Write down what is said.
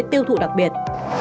tiêu thụ đặc biệt